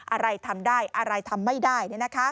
อะไรทำได้อะไรทำไม่ได้